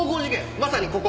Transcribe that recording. まさにここ。